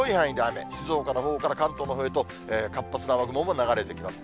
静岡のほうから関東の方へと、活発な雨雲も流れてきます。